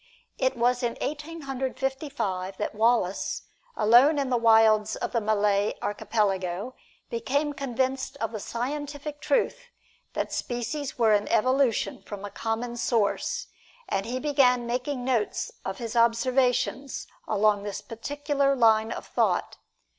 It was in Eighteen Hundred Fifty five that Wallace, alone in the wilds of the Malay Archipelago, became convinced of the scientific truth that species were an evolution from a common source, and he began making notes of his observations along this particular line of thought.